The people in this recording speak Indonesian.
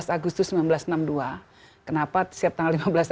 lima belas agustus seribu sembilan ratus enam puluh dua kenapa setelah lima belas